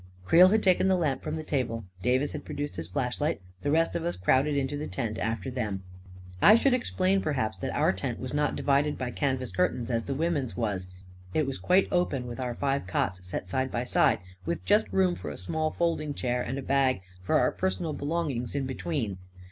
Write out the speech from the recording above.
Creel had taken the lamp from the table; Davis had produced his flashlight; the rest of us crowded into the tent after them. I should explain, perhaps, that our tent was not divided by canvas curtains as the women's was. It was quite open, with our five cots set side by side, with just room for a small folding chair and a bag for our personal belongings in between.